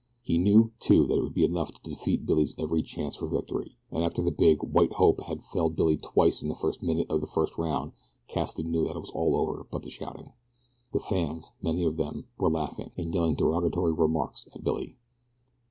He knew, too, that it would be enough to defeat Billy's every chance for victory, and after the big "white hope" had felled Billy twice in the first minute of the first round Cassidy knew that it was all over but the shouting. The fans, many of them, were laughing, and yelling derogatory remarks at Billy.